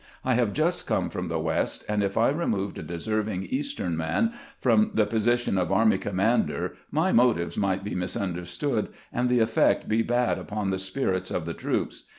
I have just come from the West, and if I removed a deserving Eastern man from the position of army com mander, my motives might be misunderstood, and the effect be bad upon the spirits of the troops.